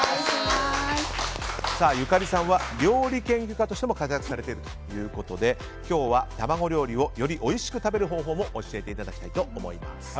ゆかりさんは料理研究家としても活躍されているということで今日は卵料理をよりおいしく食べる方法も教えていただきたいと思います。